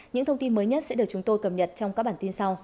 những thông tin mới nhất sẽ được chúng tôi cập nhật trong các bản tin sau